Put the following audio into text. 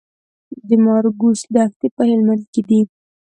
د مارګو دښتې په هلمند کې دي